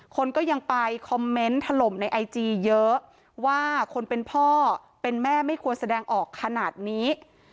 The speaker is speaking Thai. คนก็ยังไปคอมเมนต์ถล่มในไอจีเยอะว่าคนเป็นพ่อเป็นแม่ไม่ควรแสดงออกขนาดนี้